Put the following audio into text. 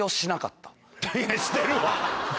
してるわ！